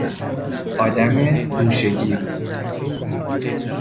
آدم گوشهگیر